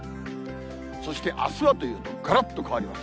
そしてあすはというと、がらっと変わります。